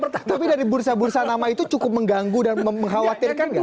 tapi dari bursa bursa nama itu cukup mengganggu dan mengkhawatirkan nggak